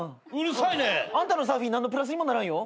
あんたのサーフィン何のプラスにもならんよ。